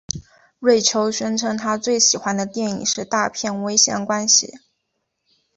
瑞秋宣称他最喜欢的电影是大片危险关系。